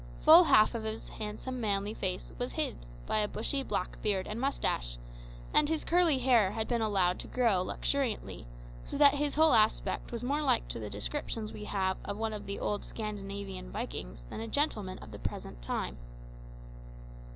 Full half of his handsome manly face was hid by a bushy black beard and moustache, and his curly hair had been allowed to grow luxuriantly, so that his whole aspect was more like to the descriptions we have of one of the old Scandinavian Vikings than a gentleman of the present time.